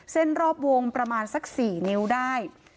เส้นรอบวงประมาณสัก๔นิ้วได้